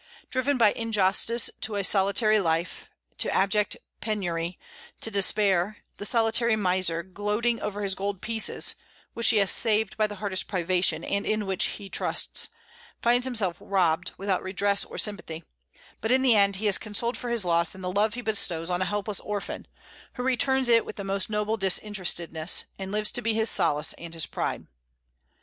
Driven by injustice to a solitary life, to abject penury, to despair, the solitary miser, gloating over his gold pieces, which he has saved by the hardest privation, and in which he trusts, finds himself robbed, without redress or sympathy; but in the end he is consoled for his loss in the love he bestows on a helpless orphan, who returns it with the most noble disinterestedness, and lives to be his solace and his pride.